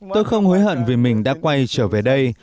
tôi không hối hận vì mình đã quay trở về đây